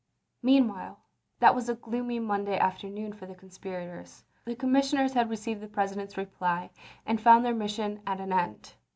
Meanwhile, that was a gloomy Monday afternoon for the conspirators. The commissioners had re ceived the President's reply and found their mis sion at an end.